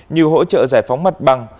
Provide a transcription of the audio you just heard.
như hỗ trợ giải phóng mặt bằng